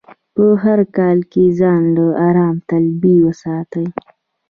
په هر حال کې ځان له ارام طلبي وساتي.